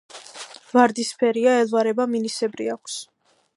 ვარდისფერია, ელვარება მინისებრი აქვს.